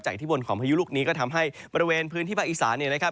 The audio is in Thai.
จากที่บนของพายุลูกนี้ก็ทำให้บริเวณพื้นที่ประอิษฐานเนี่ยนะครับ